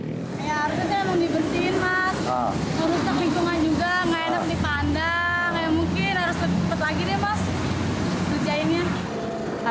atribut kampanye yang berhubungan dengan perkembangan kaki dan perkembangan kaki